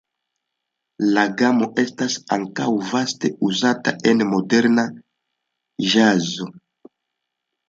La gamo estas ankaŭ vaste uzata en moderna ĵazo.